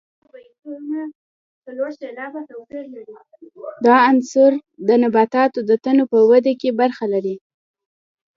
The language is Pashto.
دا عنصر د نباتاتو د تنو په ودې کې برخه لري.